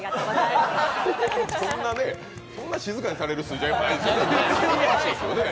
そんなね、静かにされる筋合いもないですよね。